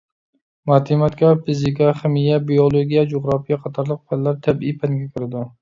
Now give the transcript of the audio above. ماتېماتىكا، فىزىكا، خىمىيە، بىئولوگىيە، جۇغراپىيە قاتارلىق پەنلەر تەبىئىي پەنگە كىرىدۇ.